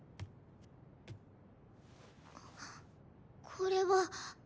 これは。